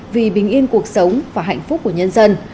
vì bình yên cuộc sống và hạnh phúc của nhân dân